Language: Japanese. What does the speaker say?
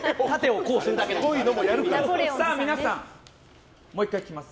さあ皆さん、もう１回聞きます。